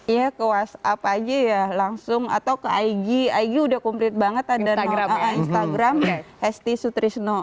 iya ke whatsapp aja ya langsung atau ke ig ig udah komplit banget ada instagram hesti sutrisno